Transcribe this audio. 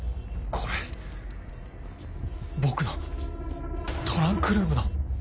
これ僕のトランクルームの。